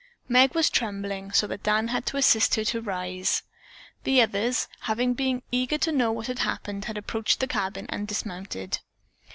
Meg was trembling so that Dan had to assist her to rise. The others, having been eager to know what had happened, had approached the cabin and dismounted.